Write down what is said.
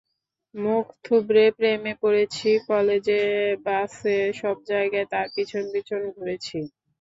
মুখ থুবড়ে প্রেমে পড়েছি, কলেজে, বাসে, সবজায়গা তার পিছন পিছন ঘুরেছি।